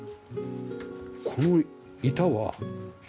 この板は？